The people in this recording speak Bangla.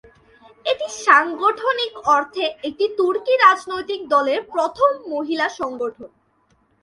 এটি সাংগঠনিক অর্থে একটি তুর্কি রাজনৈতিক দলের প্রথম মহিলা সংগঠন।